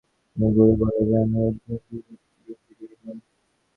তিনি গুরু বনে যান ও উজ্জ্বীবনী ব্যক্তিত্বের অধিকারী হন।